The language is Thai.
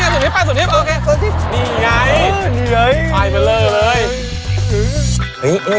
วันนี้แหละเลย